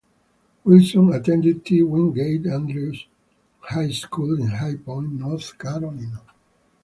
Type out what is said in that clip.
Wilson attended T. Wingate Andrews High School in High Point, North Carolina.